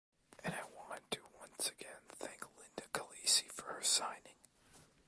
And I wanted to once again thank Linda Calise for her signing.